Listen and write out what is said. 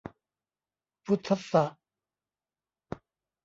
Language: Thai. พุทธัสสะ